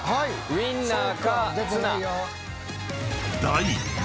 ウインナー？